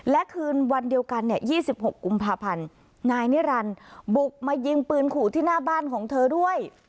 และคืนวันเดียวกันเนี่ย๒๖กุมภาพันธ์นายนิรันดิ์บุกมายิงปืนขู่ที่หน้าบ้านของเธอด้วย